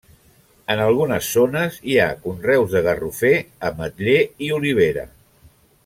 En algunes zones hi ha conreus de garrofer, ametller i olivera.